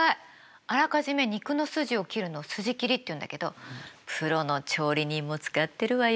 あらかじめ肉の筋を切るのを筋切りっていうんだけどプロの調理人も使ってるわよ。